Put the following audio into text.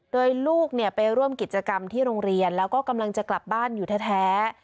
โดยลูกไปร่วมกิจกรรมที่โรงเรียนแล้วก็กำลังจะกลับบ้านอยู่แท้